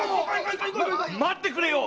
待ってくれ！